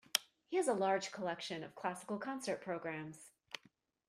He has a large collection of classical concert programmes